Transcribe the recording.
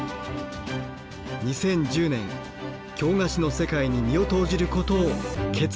２０１０年京菓子の世界に身を投じることを決意します。